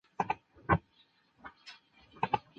初置年代及部落均不详。